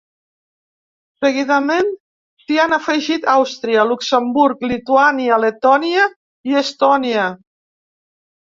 Seguidament s’hi han afegit Àustria, Luxemburg, Lituània, Letònia i Estònia.